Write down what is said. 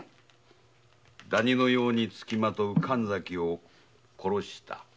ダニのようにつきまとう神崎を殺した。